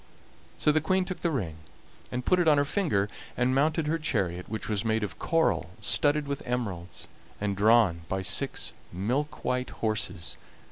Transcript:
So the Queen took the ring and put it on her finger, and mounted her chariot, which was made of coral studded with emeralds, and drawn by six milk white horses.